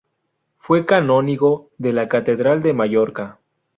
Fue canónigo de la catedral de Mallorca.